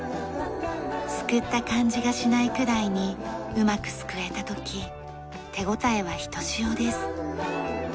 すくった感じがしないくらいにうまくすくえた時手応えはひとしおです。